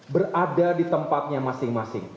berada di tempatnya masing masing